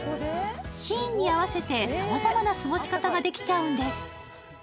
シーンに合わせてさまざまな過ごし方ができちゃうんです。